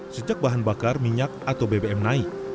sejak bahan bakar minyak atau bbm naik